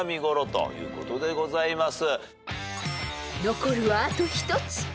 ［残るはあと１つ］